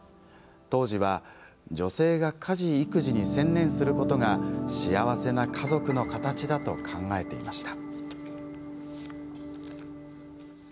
当時は女性が家事育児に専念することが幸せな家族の形だと考えていました。